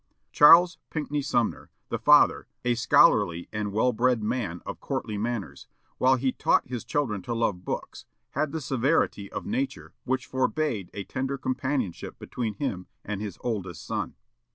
Charles Pinckney Sumner, the father, a scholarly and well bred man of courtly manners, while he taught his children to love books, had the severity of nature which forbade a tender companionship between him and his oldest son.